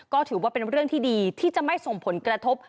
ก็ถือว่าเป็นเรื่องที่ดีที่จะไม่ส่งผลกระทบ